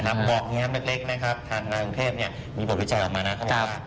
แต่นำบอกนี้นะครับเด็กนะครับทางนาวุงเทพมีบทวิจัยออกมานะครับ